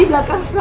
itu anda perasa